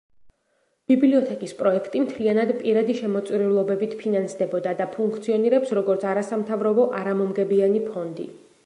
ბიბლიოთეკის პროექტი მთლიანად პირადი შემოწირულობებით ფინანსდებოდა და ფუნქციონირებს როგორც არასამთავრობო არამომგებიანი ფონდი.